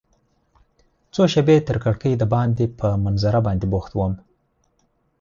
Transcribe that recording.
څو شیبې تر کړکۍ دباندې په منظره باندې بوخت وم.